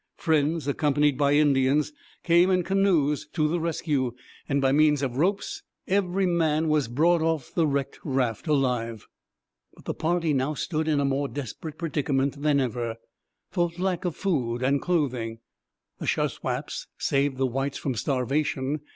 Friends, accompanied by Indians, came in canoes to the rescue, and, by means of ropes, every man was brought off the wrecked raft alive. But the party now stood in a more desperate predicament than ever, for lack of food and clothing. The Shuswaps saved the whites from starvation.